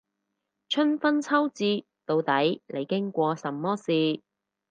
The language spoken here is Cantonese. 春分秋至，到底你經過什麼事